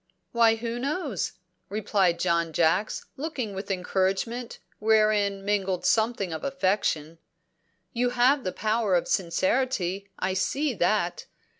"Why, who knows?" replied John Jacks, looking with encouragement wherein mingled something of affection. "You have the power of sincerity, I see that.